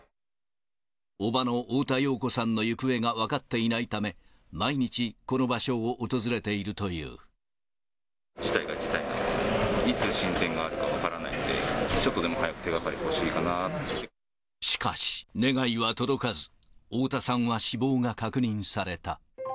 叔母の太田洋子さんの行方が分かっていないため、事態が事態なので、いつ進展があるか分からないので、ちょっとでも早く手がかり欲しいかなっしかし、願いは届かず、太田さんは死亡が確認された。